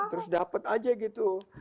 terus dapat aja gitu